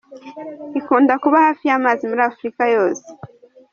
Ikunda kuba hafi y’amazi muri Afurika yose.